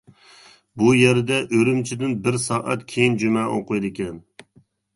بۇ يەردە ئۈرۈمچىدىن بىرەر سائەت كېيىن جۈمە ئوقۇيدىكەن.